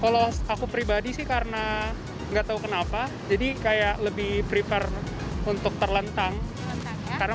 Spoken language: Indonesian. kalau aku pribadi sih karena nggak tahu kenapa jadi kayak lebih prefer untuk terlentang karena